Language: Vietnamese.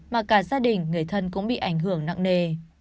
mà cả gia đình người thân cũng bị ảnh hưởng nặng nề